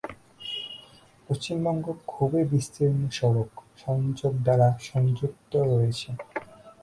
পশ্চিমবঙ্গ খুবই বিস্তীর্ণ সড়ক সংযোগ দ্বারা সু-সংযুক্ত রয়েছে।